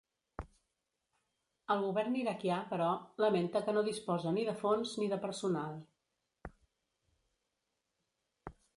El govern iraquià, però, lamenta que no disposa ni de fons ni de personal.